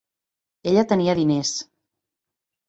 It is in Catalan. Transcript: Ella tenia diners